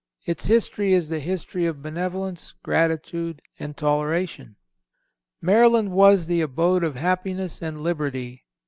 Its history is the history of benevolence, gratitude and toleration." "Maryland was the abode of happiness and liberty.